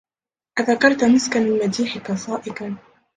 أذكرت مسكا من مديحك صائكا